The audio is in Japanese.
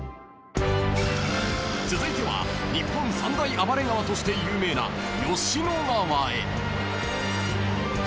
［続いては日本三大暴れ川として有名な吉野川へ］